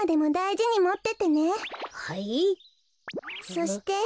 そして。